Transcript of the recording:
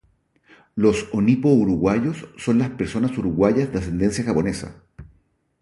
Los o nipo-uruguayos son las personas uruguayas de ascendencia japonesa.